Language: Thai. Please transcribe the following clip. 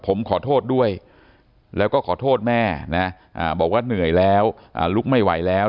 ผมขอโทษด้วยแล้วก็ขอโทษแม่นะบอกว่าเหนื่อยแล้วลุกไม่ไหวแล้ว